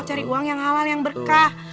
cari uang yang halal yang berkah